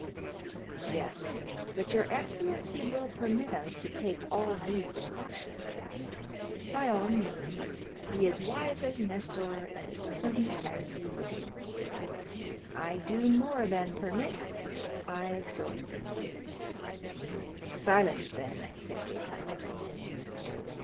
"Yes, but your excellency will permit us to take all due precautions." "By all means, be as wise as Nestor and as prudent as Ulysses; I do more than permit, I exhort you." "Silence, then!" said Gaetano.